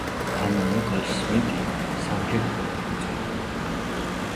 ანა ნიკოლს სმითი სამჯერ იყო დაქორწინებული.